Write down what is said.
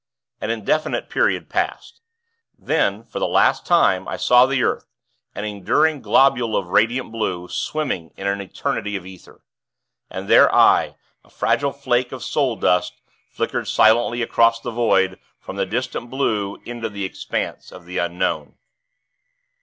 An indefinite period passed. Then, for the last time, I saw the earth an enduring globule of radiant blue, swimming in an eternity of ether. And there I, a fragile flake of soul dust, flickered silently across the void, from the distant blue, into the expanse of the unknown.